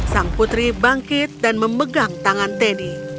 sang putri bangkit dan memegang tangan teddy